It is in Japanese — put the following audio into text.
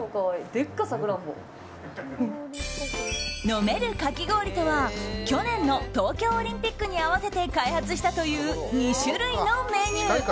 飲めるかき氷とは去年の東京オリンピックに合わせて開発したという２種類のメニュー。